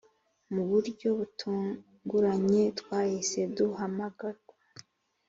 mu buryo butunguranye twahise duhamagarwa.